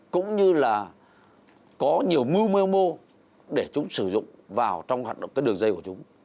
cũng như là có nhiều mưu mê mô để chúng sử dụng vào trong hoạt động cái đường dây của chúng